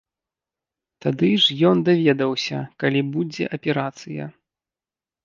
Тады ж ён даведаўся, калі будзе аперацыя.